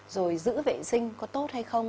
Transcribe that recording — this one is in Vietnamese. rồi giữ vệ sinh có tốt hay không